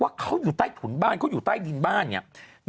เขาอยู่ใต้ถุนบ้านเขาอยู่ใต้ดินบ้านเนี่ย